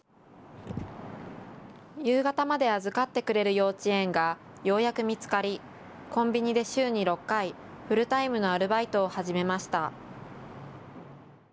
夕方まで預かってくれる幼稚園がようやく見つかりコンビニで週に６回、フルタイムのアルバイトを始めました。